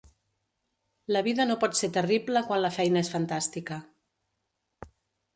La vida no pot ser terrible quan la feina és fantàstica.